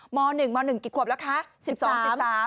ม๑ม๑กี่ขวบแล้วคะ